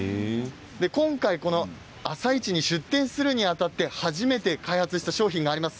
今回、朝市に出店するにあたって初めて開発した商品があります。